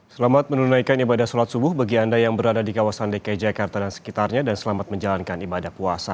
selamat menunaikan ibadah sholat subuh bagi anda yang berada di kawasan dki jakarta dan sekitarnya dan selamat menjalankan ibadah puasa